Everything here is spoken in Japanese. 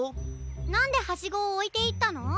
なんでハシゴをおいていったの？